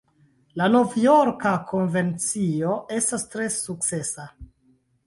La Novjorka Konvencio estas tre sukcesa.